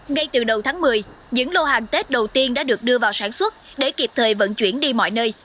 ngay từ đầu tháng một mươi những lô hàng tết đầu tiên đã được đưa vào sản xuất để kịp thời vận chuyển đi mọi nơi